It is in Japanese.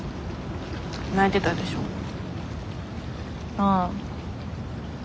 ああ。